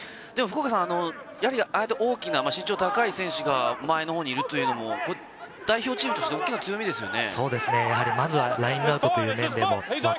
大きな、身長の高い選手が前のほうにいるというのも代表チームとしては大きな強みですよね。